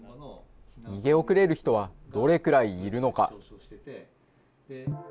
逃げ遅れる人はどれくらいいるのか。